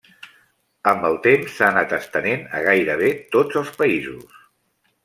Amb el temps s'ha anat estenent a gairebé tots els països.